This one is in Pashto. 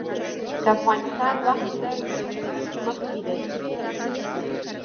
د افغانستان وخت له ګرینویچ مخکې دی